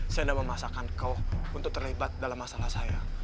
saya sudah memasakkan kamu untuk terlibat dalam masalah saya